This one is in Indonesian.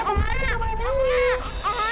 kamu cantik kamu nangis